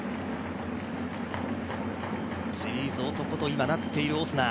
シリーズ男となっているオスナ。